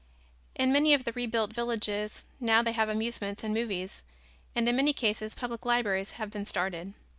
In many of the rebuilt villages now they have amusements and movies and in many cases public libraries have been started.